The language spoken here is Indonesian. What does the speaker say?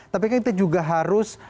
tapi kan kita juga harus